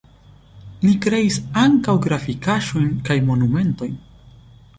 Li kreis ankaŭ grafikaĵojn kaj monumentojn.